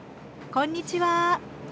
こんにちは。